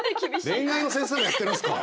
恋愛の先生もやってるんすか？